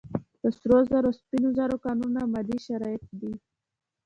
د سرو زرو او سپینو زرو کانونه مادي شرایط دي.